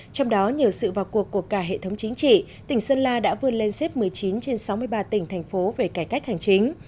trong đó nhờ sự vào cuộc của cả hệ thống chính trị tỉnh sơn la đã vươn lên xếp một mươi chín trên sáu mươi ba tỉnh thành phố về cải cách hành chính